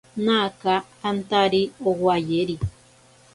Naaka antari owayeri.